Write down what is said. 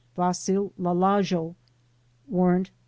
Wasil Lalajo (Warrant No.